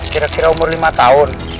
kira kira umur lima tahun